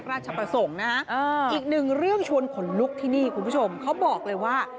ราชประสงค์นะฮะอีกหนึ่งเรื่องชวนขนลุกที่นี่คุณผู้ชมเขาบอกเลยว่า